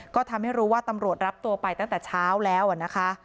ก็ทำให้รู้ว่าตำรวจรับตัวไปตั้งแต่เช้าแล้วนะคะ